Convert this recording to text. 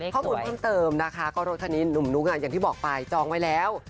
ข้อมูลเพิ่มเติมนะคะก็รถคันนี้หนุ่มนุ๊กอย่างที่บอกไปจองไว้แล้ว